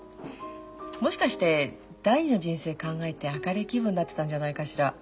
もしかして第二の人生考えて明るい気分になってたんじゃないかしら。